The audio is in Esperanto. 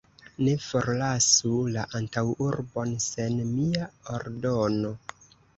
Ne forlasu la antaŭurbon sen mia ordono!